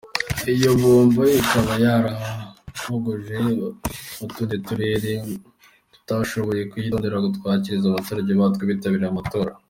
Iyo bombo ikaba yarahogoje utundi turere tutashoboye kuyigondera ngo tuyakirize abaturage batwo bitabiriye amatora.